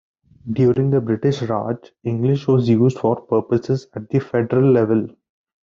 During the British Raj, English was used for purposes at the federal level.